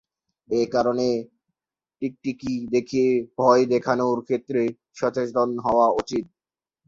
এ কারণে টিকটিকি দেখিয়ে ভয় দেখানোর ক্ষেত্রে সচেতন হওয়া উচিত।